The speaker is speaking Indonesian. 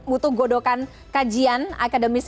butuh godokan kajian akademis